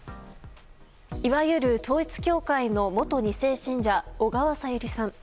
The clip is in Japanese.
いわゆる統一教会の元２世信者小川さゆりさん。